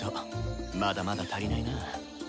まだまだ足りないな。